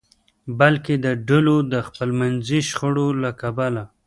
بلکې د ډلو د خپلمنځي شخړو له کبله.